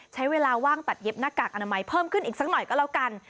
ใช้เวลาว่างตัดเย็บหน้ากากอนามัยเพิ่มขึ้นอีกสักหน่อยก็แล้วกัน